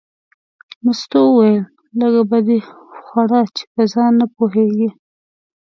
مستو وویل لږه به دې خوړه چې په ځان نه پوهېږې.